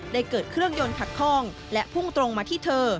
เกิดเครื่องยนต์ขัดคล่องและพุ่งตรงมาที่เธอ